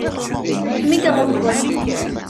D kemm i iɣelḍen